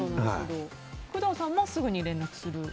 工藤さんもすぐに連絡すると。